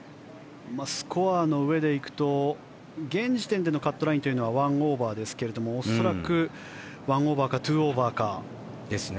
スコアの上でいくと現時点でのカットラインは１オーバーですけれども恐らく１オーバーか２オーバーか。